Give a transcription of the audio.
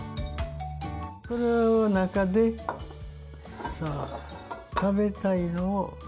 この中でさあ食べたいのを。